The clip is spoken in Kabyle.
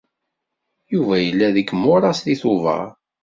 Yuba yella deg imuṛas deg Tubeṛ.